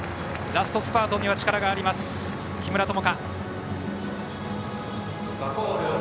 ラストスパートには力のある木村友香。